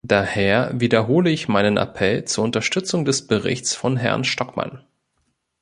Daher wiederhole ich meinen Appell zur Unterstützung des Berichts von Herrn Stockmann.